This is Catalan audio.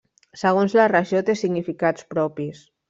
Segons la regió té significats propis.